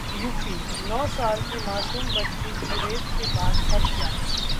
UP नौ साल की मासूम बच्ची की रेप के बाद हत्या